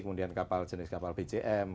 kemudian jenis kapal bcm